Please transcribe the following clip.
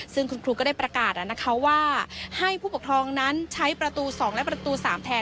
ซึ่งคุณครูก็ได้ประกาศว่าให้ผู้ปกครองนั้นใช้ประตู๒และประตู๓แทน